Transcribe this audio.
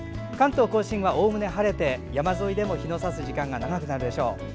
関東・甲信は、おおむね晴れて山沿いでも日のさす時間が長くなるでしょう。